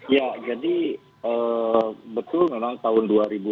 ya jadi betul memang tahun dua ribu dua puluh